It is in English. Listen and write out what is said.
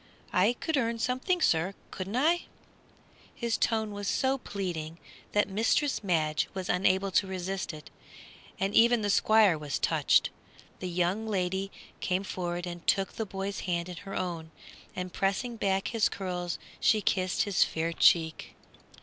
"I could earn something, sir, couldn't I?" His tone was so pleading that mistress Madge was unable to resist it, and even the Squire was touched. The young lady came forward and took the boy's hand in her own, and pressing back his curls, she kissed his fair cheek.